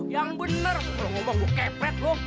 yang bener lu ngomong gua kepet lu